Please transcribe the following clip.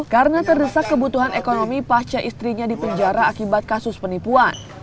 karena terdesak kebutuhan ekonomi pasca istrinya di penjara akibat kasus penipuan